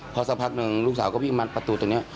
พอสักพักหนึ่งลูกสาวก็วิ่งมาประตูตรงนี้